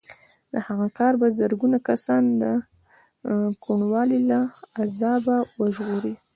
د هغه کار به زرګونه کسان د کوڼوالي له عذابه وژغوري